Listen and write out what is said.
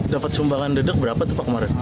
dapat sumbangan dedek berapa tuh pak kemarin